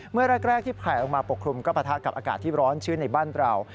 เมื่อแรกที่แผลลงมาปกคลุมก็ปะทะกับอากาศที่ร้อนชื้นในบ้านเรา